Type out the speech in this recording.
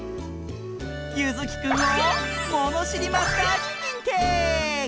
ゆずきくんをものしりマスターににんてい！